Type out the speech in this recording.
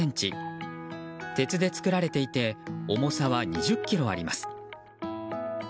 鉄で作られていて重さは２０ｋｇあります。